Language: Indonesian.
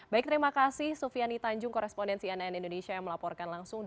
baik terima kasih sufiani tanjung korespondensi nn indonesia yang melaporkan langsung